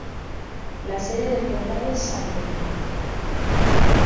La sede del condado es Sunbury.